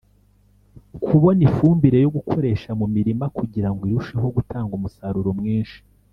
kubona ifumbire yo gukoresha mu mirima kugira ngo irusheho gutanga umusaruro mwinshi